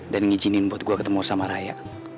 dan ngijinin buat gue ketemu sama raya